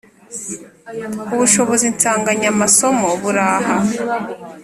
ubushobozi nsanganyamasomo buraha